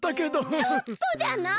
ちょっとじゃない！